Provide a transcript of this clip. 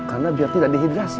karena biar tidak dihidrasi